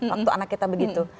waktu anak kita begitu